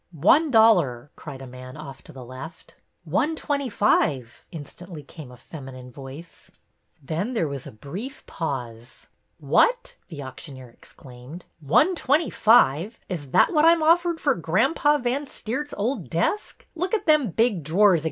" One dollar !" cried a man off to the left. " One twenty five !" instantly came a feminine voice. THE AUCTION H3 Then there was a brief pause. '' What ! the auctioneer exclaimed. One twenty five! Is that wat I 'm offered for Granpa Van Steerfs old desk? Look at them big drawers agen.